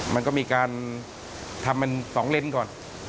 มันก็มีการทำเป็นสองเล่นก่อน